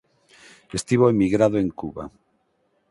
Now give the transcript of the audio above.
Estivo emigrado en Cuba.